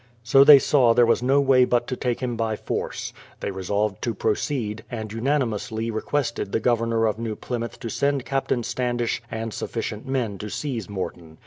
So they saw there was no way but to take him by force. They resolved to proceed, and unanimously requested the Governor of New Plymouth to send Captain Standish and sufficient men to seize Morton.